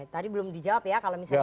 tadi belum dijawab ya kalau misalnya